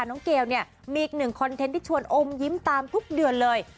เกลเนี่ยมีอีกหนึ่งคอนเทนต์ที่ชวนอมยิ้มตามทุกเดือนเลย